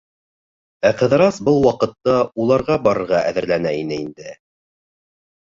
Ә Ҡыҙырас был ваҡытта уларға барырға әҙерләнә ине инде.